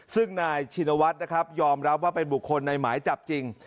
ซึ่งนายชินวัฒน์นะครับยอมรับว่าเป็นบุคคลในหมายจับจริง